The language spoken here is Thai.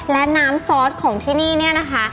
และน้ำซอสของที่นี่เนี่ยนะคะ